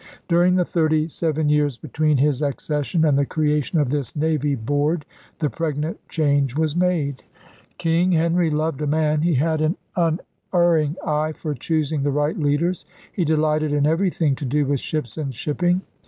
During the thirty seven years between his accession and the creation of this Navy Board the pregnant change was made. *King Henry loved a man.' He had an uner 22 ELIZABETHAN SEA DOGS ring eye for choosing the right leaders. He delight ed in everything to do with ships and ship ping.